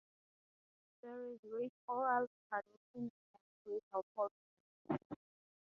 There is rich oral tradition and Griko folklore.